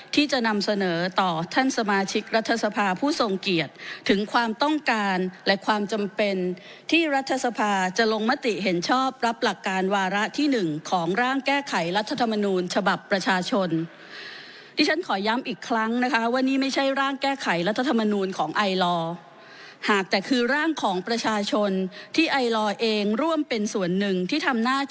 ที่จะนำเสนอต่อท่านสมาชิกรัฐสภาผู้ทรงเกียรติถึงความต้องการและความจำเป็นที่รัฐสภาจะลงมติเห็นชอบรับหลักการวาระที่หนึ่งของร่างแก้ไขรัฐธรรมนูญฉบับประชาชนที่ฉันขอย้ำอีกครั้งนะคะว่านี่ไม่ใช่ร่างแก้ไขรัฐธรรมนูลของไอลอร์หากแต่คือร่างของประชาชนที่ไอลอร์เองร่วมเป็นส่วนหนึ่งที่ทำหน้าที่